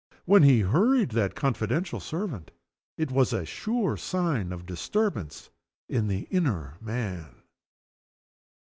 When he hurried that confidential servant, it was a sure sign of disturbance in the inner man.